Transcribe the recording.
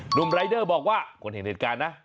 หนุ่มรายเดอร์บอกว่าคนเห็นเหตุการณ์นะ